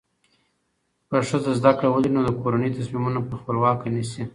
که ښځه زده کړه ولري، نو د کورنۍ تصمیمونه په خپلواکه نیسي.